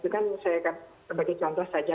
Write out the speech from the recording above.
itu kan saya sebagai contoh saja